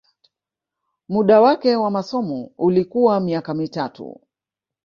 Muda wake wa masomo ulikuwa miaka mitatu